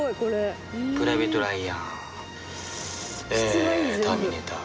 「プライベート・ライアン」「ターミネーター」。